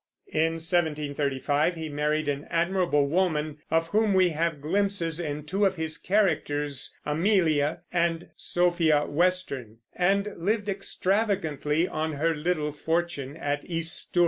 In 1735 he married an admirable woman, of whom we have glimpses in two of his characters, Amelia, and Sophia Western, and lived extravagantly on her little fortune at East Stour.